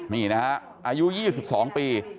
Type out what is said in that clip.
นี่นะฮะอายุ๒๒ปี